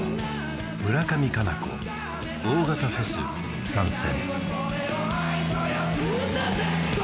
村上佳菜子大型フェス参戦